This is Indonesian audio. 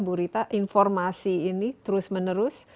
bu rita informasi ini terus menerus